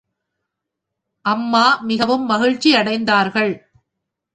அம்மா மிகவும் மகிழ்ச்சியடைந்தார்கள்.